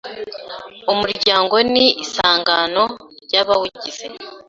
Umuryango ni isangano ry’abawugize: